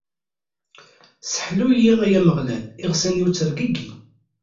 Sseḥlu-yi, ay Ameɣlal, iɣsan-iw ttergigin!